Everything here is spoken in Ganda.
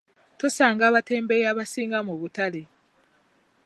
Tusanga abatembeeyi abasinga mu butale.